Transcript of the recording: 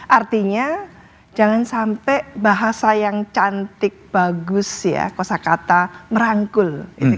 artinya jangan sampai bahasa yang cantik bagus ya kosa kata merangkul